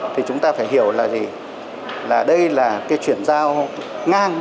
thì chúng ta phải hiểu là gì là đây là cái chuyển giao ngang